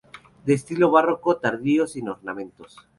De estilo barroco tardío sin ornamentos.